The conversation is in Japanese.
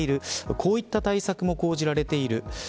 こういった対策も講じられている。